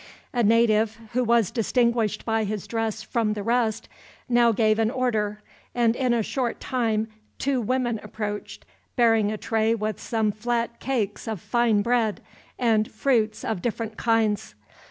A native, who was distinguished by his dress from the rest, now gave an order; and in a short time two women approached, bearing a tray with some flat cakes of fine bread, and fruits of different kinds.